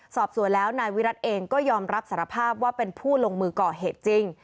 สอบสวนแล้วนายวิรัติเองก็ยอมรับสารภาพว่าเป็นผู้ลงมือก่อเหตุจริง